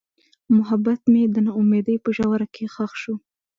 محبت مې د نا امیدۍ په ژوره کې ښخ شو.